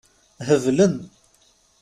Heblen.